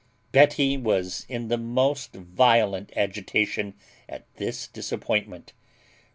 Betty was in the most violent agitation at this disappointment.